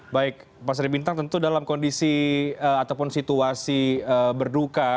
baik pak sri bintang tentu dalam kondisi ataupun situasi berduka